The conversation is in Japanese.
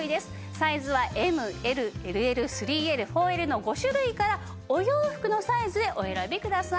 サイズはＭＬＬＬ３Ｌ４Ｌの５種類からお洋服のサイズでお選びください。